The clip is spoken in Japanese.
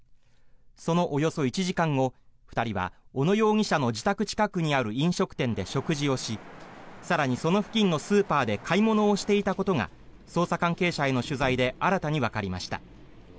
そのおよそ１時間後、２人は小野容疑者の自宅近くにある飲食店で食事をし更にその付近のスーパーで買い物をしていたことが捜査関係者への取材で新たにわかりました。